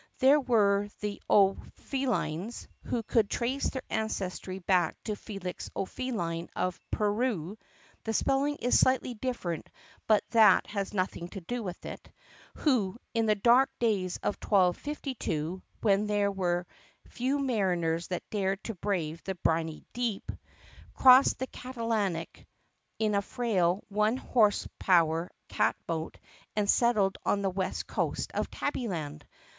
There were the O'Phelines, who could trace their ancestry back to Felix O'Feeline of Purru (the spelling is slightly different but that has nothing to do with it) who, in the dark days of 1252, when there were few mariners that dared to brave the briny deep, 90 THE PUSSYCAT PRINCESS crossed the Catlantic in a frail one horse power catboat and settled the west coast of Tabbyland.